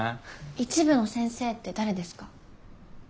一部の先生って誰ですか？